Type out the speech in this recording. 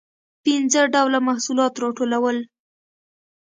پنځه ډوله محصولات راټولول.